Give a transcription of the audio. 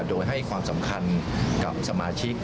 โดยให้ความสำคัญกับสมาชิก